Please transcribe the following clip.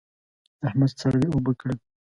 احمد څاروي اوبه کړل.